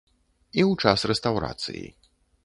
І ў час рэстаўрацыі.